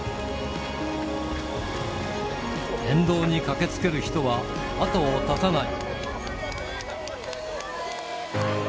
沿道に駆けつける人は後を絶たない。